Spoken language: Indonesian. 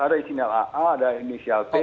ada inisial aa ada inisial t